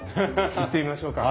行ってみましょうか。